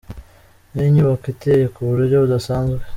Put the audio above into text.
Ni inyubako iteye ku buryo budasanzwe.